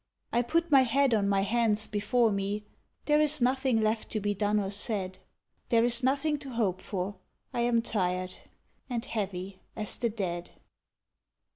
I put my head on my hands before me, There is nothing left to be done or said, There is nothing to hope for, I am tired, And heavy as the dead.